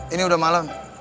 ini udah malem